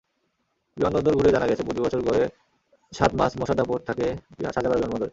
বিমানবন্দর ঘুরে জানা গেছে, প্রতিবছর গড়ে সাত মাস মশার দাপট থাকে শাহজালাল বিমানবন্দরে।